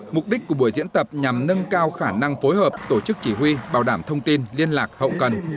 mục đích của buổi diễn tập nhằm nâng cao khả năng phối hợp tổ chức chỉ huy bảo đảm thông tin liên lạc hậu cần